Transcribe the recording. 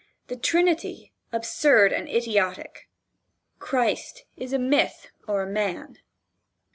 The Trinity absurd and idiotic, Christ is a myth or a man.